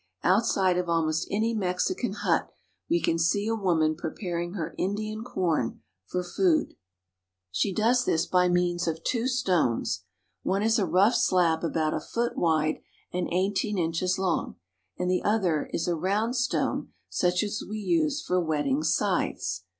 Outside of almost any Mexican hut we can see a woman preparing her Indian corn for food. She Making Tortillas. 342 MEXICO. Hut of a Peon. does this by means of two stones. One is a rough slab about a foot wide and eighteen inches long, and the other is a round stone such as we use for whetting scythes.